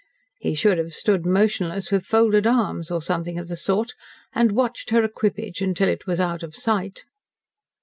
"He should have 'stood motionless with folded arms,' or something of the sort, and 'watched her equipage until it was out of sight.'"